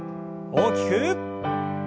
大きく。